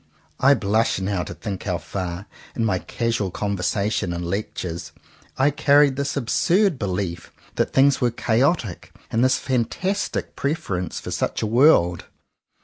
I blush now to think how far, in my casual conversations and lectures, I carried this absurd beHef that things were 50 JOHN COWPER POWYS "chaotic," and this fantastic preference for such a world.